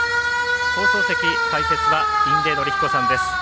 放送席、解説は印出順彦さんです。